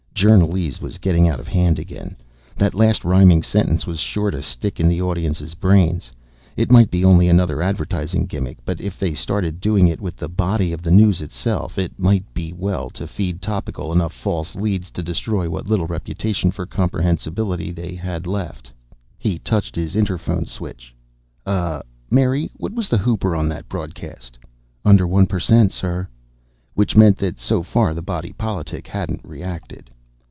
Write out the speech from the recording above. Journalese was getting out of hand again. That last rhyming sentence was sure to stick in the audience's brains. It might be only another advertising gimmick, but if they started doing it with the body of the news itself, it might be well to feed Topical enough false leads to destroy what little reputation for comprehensibility they had left. He touched his interphone switch. "Uh ... Mary, what was the hooper on that broadcast?" "Under one per cent, sir." Which meant that, so far, the Body Politic hadn't reacted.